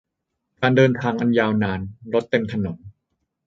การเดินทางอันยาวนาน รถเต็มถนน